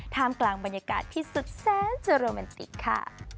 ท่ามกลางบรรยากาศที่สุดแสนจะโรแมนติกค่ะ